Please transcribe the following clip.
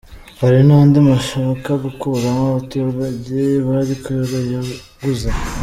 Hari n’andi bashaka gukuramo abaturage bari barayaguze.